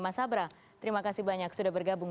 mas abra terima kasih banyak sudah bergabung